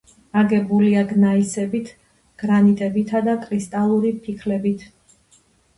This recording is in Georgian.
აგებულია გნაისებით, გრანიტებითა და კრისტალური ფიქლებით.